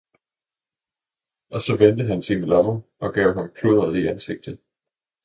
og så vendte han sine lommer og gav ham pludderet i ansigtet.